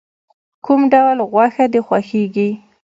کوم ډول غوښه د خوښیږی؟